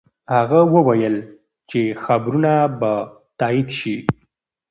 هغه وویل چې خبرونه به تایید شي.